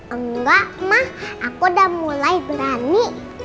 enggak mah aku udah mulai berani